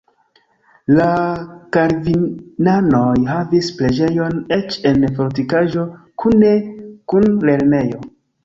La kalvinanoj havis preĝejon eĉ en la fortikaĵo kune kun lernejo.